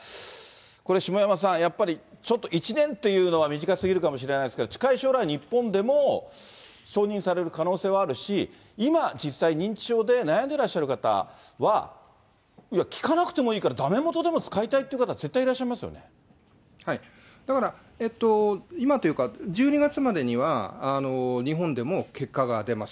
これ、下山さん、やっぱりちょっと１年というのは短すぎるかもしれないですけど、近い将来、日本でも承認される可能性はあるし、今、実際、認知症で悩んでらっしゃる方は、いや、効かなくてもいいからだめもとでも使いたいっていう方、絶対いらだから今というか、１２月までには日本でも結果が出ます。